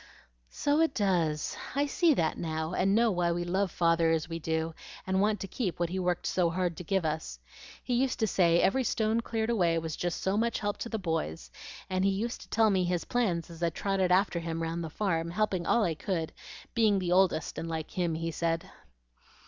"So it does! I see that now, and know why we love Father as we do, and want to keep what he worked so hard to give us. He used to say every stone cleared away was just so much help to the boys; and he used to tell me his plans as I trotted after him round the farm, helping all I could, being the oldest, and like him, he said."